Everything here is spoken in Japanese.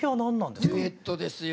デュエットですよ